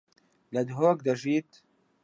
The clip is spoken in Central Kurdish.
لە دهۆک دەژیت.